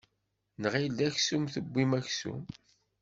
Nɣil d aksum tewwim aksum.